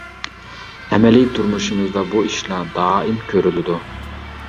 ئەمەلىي تۇرمۇشىمىزدا بۇ ئىشلار دائىم كۆرۈلىدۇ.